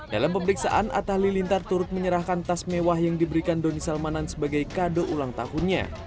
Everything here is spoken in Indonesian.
dalam pemeriksaan atta halilintar turut menyerahkan tas mewah yang diberikan doni salmanan sebagai kado ulang tahunnya